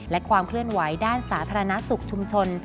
และความเคลื่อนไหวด้านสาธารณสุขชุมชน